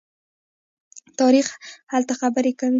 تاریخ هلته خبرې کوي.